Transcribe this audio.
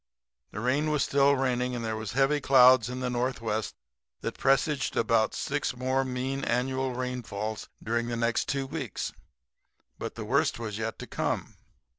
The rain was still raining, and there was heavy clouds in the northwest that presaged about six more mean annual rainfalls during the next two weeks. But the worst was yet to come.